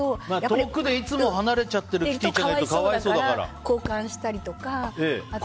遠くでいつも離れちゃっているキティちゃんがいると交換したりとか。